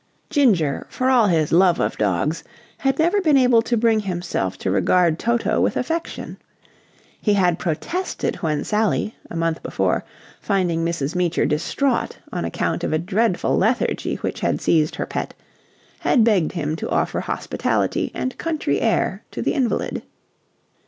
Ginger, for all his love of dogs, had never been able to bring himself to regard Toto with affection. He had protested when Sally, a month before, finding Mrs. Meecher distraught on account of a dreadful lethargy which had seized her pet, had begged him to offer hospitality and country air to the invalid.